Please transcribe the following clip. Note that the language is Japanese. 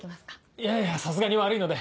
いやいやさすがに悪いので。